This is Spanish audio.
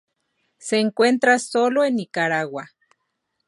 Se encuentra sólo en Nicaragua.